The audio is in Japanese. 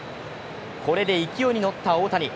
これで勢いに乗った大谷。